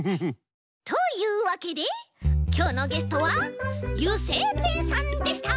というわけできょうのゲストは油性ペンさんでした！